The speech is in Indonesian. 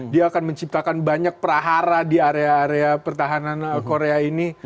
dia akan menciptakan banyak perahara di area area pertahanan korea ini